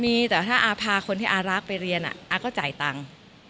มีแต่ถ้าอาพาคนที่อารักไปเรียนอาก็จ่ายตังค์